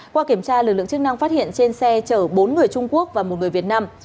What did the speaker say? qua kiểm tra lực lượng chức năng phát hiện trên xe chở bốn người trung quốc và một người việt nam